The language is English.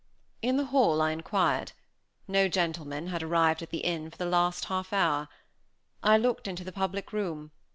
In the hall I inquired. No gentleman had arrived at the inn for the last half hour. I looked into the public room.